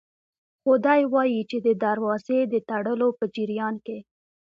خو دی وايي چې د دروازې د تړلو په جریان کې